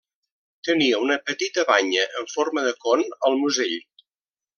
Tenia una petita banya en forma de con al musell.